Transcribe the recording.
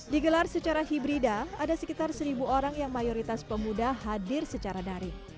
digelar secara hibrida ada sekitar seribu orang yang mayoritas pemuda hadir secara daring